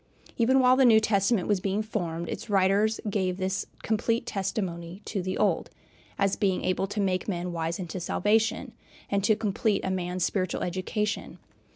Even while the New Testament was being formed, its writers gave this complete testimony to the Old, as being able to make men "wise unto salvation," and to complete a man's spiritual education.